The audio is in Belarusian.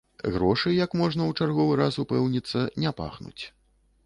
Грошы, як можна ў чарговы раз упэўніцца, не пахнуць.